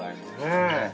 ねえ。